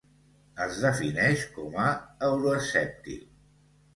Es defineix com a euroescèptic.